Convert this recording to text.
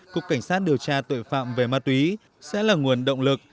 cục cảnh sát điều tra tội phạm về ma túy sẽ là nguồn động lực